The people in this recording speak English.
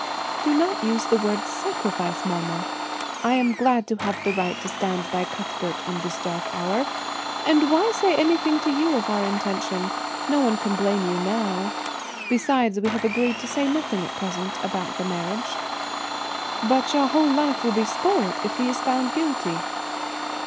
"Do not use the word 'sacrifice,' mamma; I am glad to have the right to stand by Cuthbert in this dark hour. And why say anything to you of our intention? No one can blame you now. Beside, we have agreed to say nothing at present, about the marriage." "But your whole life will be spoilt if he is found guilty."